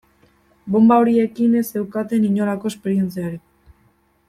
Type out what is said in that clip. Bonba horiekin ez zeukaten inolako esperientziarik.